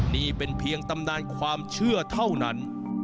นี่เป็นเพียงตำนานความเชื่อเท่านั้น